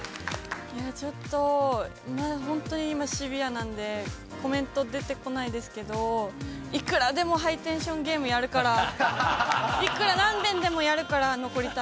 いやちょっと、まだ本当に今、シビアなんで、コメント出てこないですけど、いくらでもハイテンションゲームやるから、いくら、なんべんでもやるから、残りたい。